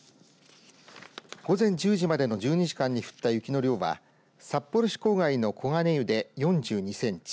午前１０時までの１２時間に降った雪の量は札幌市郊外の小金湯で４２センチ